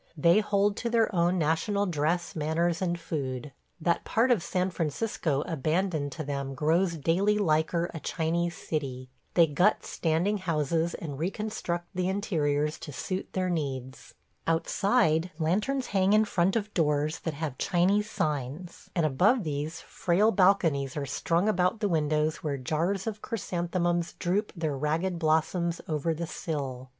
They hold to their own national dress, manners, and food. That part of San Francisco abandoned to them grows daily liker a Chinese city. They gut standing houses and reconstruct the interiors to suit their needs. Outside, lanterns hang in front of doors that have Chinese signs, and above these, frail balconies are strung about the windows where jars of chrysanthemums droop their ragged blossoms over the sill.